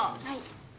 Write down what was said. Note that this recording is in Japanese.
はい。